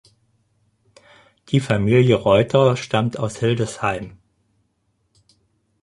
Die Familie Reuter stammt aus Hildesheim.